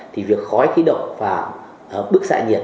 thì việc khói khí động và bức xạ nhiệt